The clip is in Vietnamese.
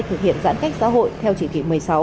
thực hiện giãn cách xã hội theo chỉ thị một mươi sáu